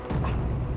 tuhan aku ingin menang